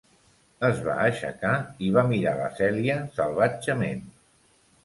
Es va aixecar i va mirar la Celia salvatgement.